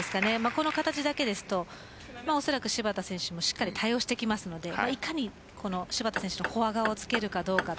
この形だけだとおそらく、芝田選手もしっかり対応してくるのでいかに芝田選手のフォア側を突けるかどうか。